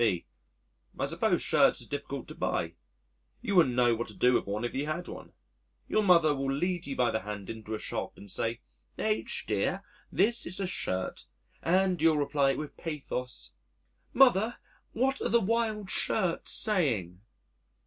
B.: "I suppose shirts are difficult to buy. You wouldn't know what to do with one if you had one. Your mother will lead you by the hand into a shop and say, 'H , dear, this is a shirt,' and you'll reply with pathos, 'Mother what are the wild shirts saying?'"